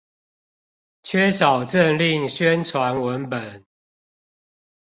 缺少政令宣傳文本